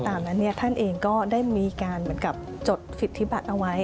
ตามนั้นท่านเองก็ได้มีการเหมือนกับจดสิทธิบัตรเอาไว้